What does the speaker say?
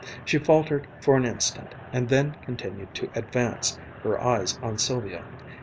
She faltered for an instant and then continued to advance, her eyes on Sylvia.